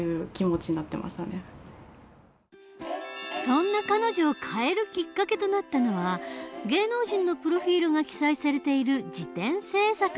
そんな彼女を変えるきっかけとなったのは芸能人のプロフィールが記載されている事典制作のアルバイト。